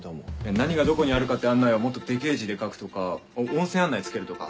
何がどこにあるかって案内はもっとデケェ字で書くとか音声案内付けるとか。